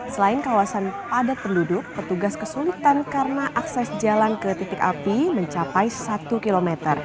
selain kawasan padat penduduk petugas kesulitan karena akses jalan ke titik api mencapai satu km